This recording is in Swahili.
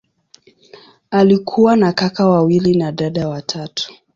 Alikuwa na kaka wawili na dada watatu.